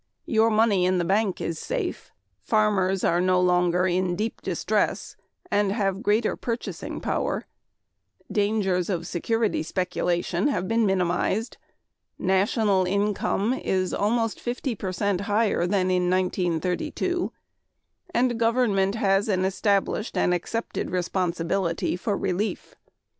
Your money in the bank is safe; farmers are no longer in deep distress and have greater purchasing power; dangers of security speculation have been minimized; national income is almost 50 percent higher than in 1932; and government has an established and accepted responsibility for relief.